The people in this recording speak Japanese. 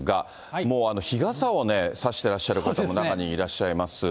もう日傘をね、差してらっしゃる方も中にいらっしゃいます。